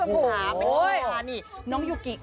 สุดยอดเลยคุณผู้ชมค่ะบอกเลยว่าเป็นการส่งของคุณผู้ชมค่ะ